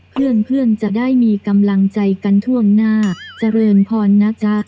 เพื่อนจะได้มีกำลังใจกันท่วงหน้าเจริญพรนะจ๊ะ